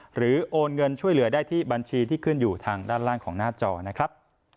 โอนเงินช่วยเหลือได้ที่บัญชีที่ขึ้นอยู่ทางด้านล่างของหน้าจอนะครับ